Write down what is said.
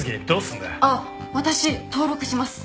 あっ私登録します。